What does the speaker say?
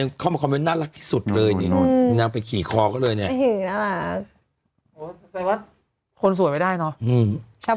ขี่คอก็เลยเนี่ยหือน่ารักโหแต่ว่าคนสวยไม่ได้เนาะ